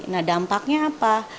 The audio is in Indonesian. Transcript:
nah dampaknya apa